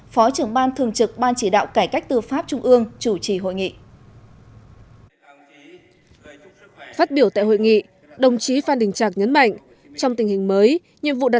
phó trưởng ban thường trực ban chỉ đạo cải cách tư pháp trung ương chủ trì hội nghị